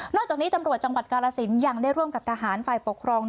จากนี้ตำรวจจังหวัดกาลสินยังได้ร่วมกับทหารฝ่ายปกครอง